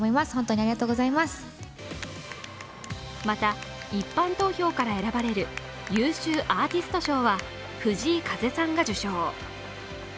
また一般投票から選ばれる優秀アーティスト賞は藤井風さんが受賞。